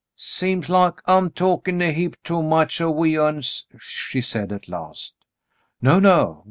"Seems like I'm talkin' a heap too much o' we uns," she said, at last. "No, no.